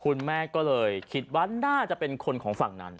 คุณแม่ก็เลยคิดว่าน่าจะเป็นคนของฝั่งนั้น